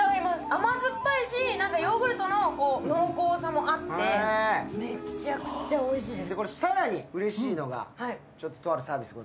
甘酸っぱいしヨーグルトの濃厚さもあってめちゃくちゃおいしいです。